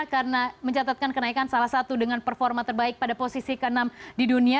karena mencatatkan kenaikan salah satu dengan performa terbaik pada posisi ke enam di dunia